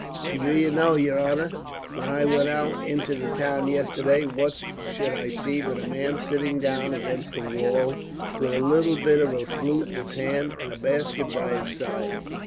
"And do ye know, yer honor, when I went out into the town yesterday, what should I see but a man sitting down against a wall, with a little bit of a flute in his hand, and a basket by his side.